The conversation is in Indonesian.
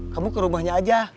kamu ke rumahnya aja